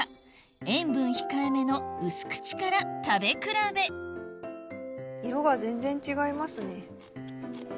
塩分控えめの淡口から食べ比べ色が全然違いますね。